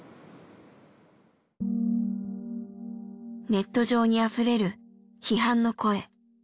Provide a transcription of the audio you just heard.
ネット上にあふれる批判の声。